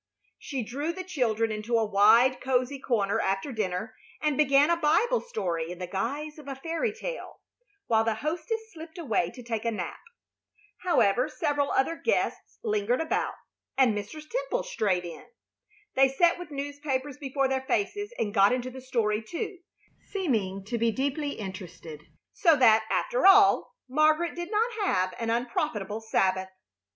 She drew the children into a wide, cozy corner after dinner and began a Bible story in the guise of a fairy tale, while the hostess slipped away to take a nap. However, several other guests lingered about, and Mr. Temple strayed in. They sat with newspapers before their faces and got into the story, too, seeming to be deeply interested, so that, after all, Margaret did not have an unprofitable Sabbath.